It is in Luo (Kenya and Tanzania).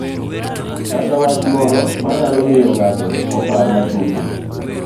kata wach moro manyalo miyo ng'ato opar matut.